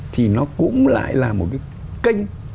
thì nó cũng lại là một cái kênh